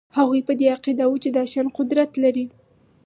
هغوی په دې عقیده وو چې دا شیان قدرت لري